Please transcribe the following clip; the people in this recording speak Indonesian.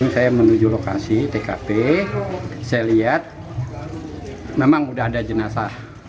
saya menuju lokasi tkp saya lihat memang sudah ada jenazah